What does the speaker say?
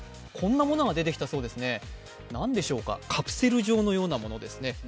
こんなものが出てきたそうですね、何でしょうかカプセル状のようなものですね。